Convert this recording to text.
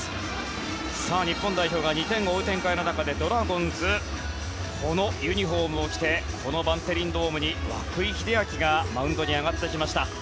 日本代表が２点を追う展開の中ドラゴンズこのユニホームを着てこのバンテリンドームに涌井秀章がマウンドに上がってきました。